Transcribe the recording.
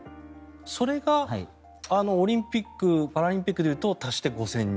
それがオリンピック・パラリンピックで言うと足して５０００人。